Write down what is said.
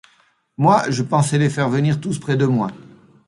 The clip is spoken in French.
Moi, je pensais les faire venir tous près de moi.